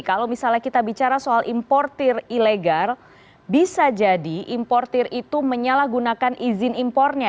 kalau misalnya kita bicara soal importer ilegal bisa jadi importir itu menyalahgunakan izin impornya